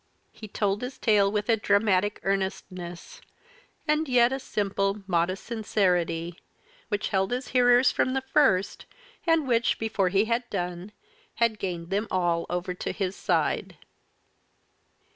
He told his tale with a dramatic earnestness, and yet a simple, modest sincerity, which held his hearers from the first, and which, before he had done, had gained them all over to his side.